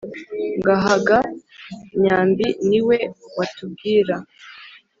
ngaha ga myambi ni we watubwira